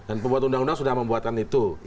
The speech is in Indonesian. dan pembuat undang undang sudah membuatkan itu